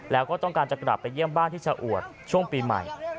แล้วก็ต้องการจะกลับไปเยี่ยมบ้านที่ชะอวดช่วงปีใหม่